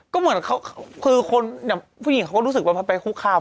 ก็เหมือนเขาคือคนอย่างผู้หญิงเขาก็รู้สึกว่ามันไปคุกคาม